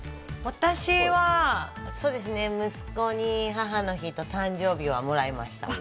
私は息子に母の日と誕生日はもらいました。